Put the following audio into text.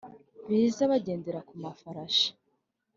beza bagendera ku mafarashi